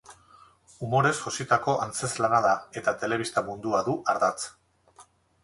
Umorez jositako antzezlana da eta telebista mundua du ardatz.